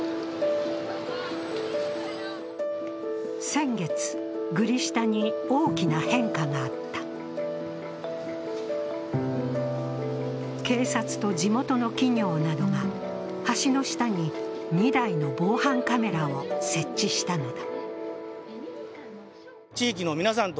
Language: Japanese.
先月、グリ下に大きな変化があった警察と地元の企業などが橋の下に２台の防犯カメラを設置したのだ。